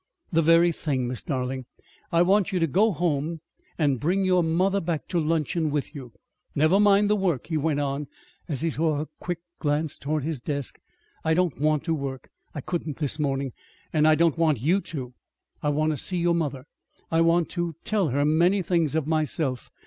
"The very thing! Miss Darling, I want you to go home and bring your mother back to luncheon with you. Never mind the work," he went on, as he saw her quick glance toward his desk. "I don't want to work. I couldn't this morning. And I don't want you to. I want to see your mother. I want to tell her many things of myself.